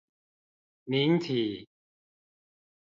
明體